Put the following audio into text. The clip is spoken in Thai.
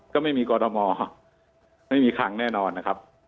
ก็ไม่มีกรทมไม่มีคลังแน่นอนนะครับ